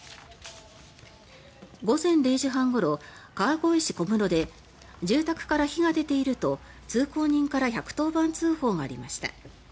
午前０時半ごろ、川越市小室で住宅から火が出ていると通行人から１１０番通報がありました。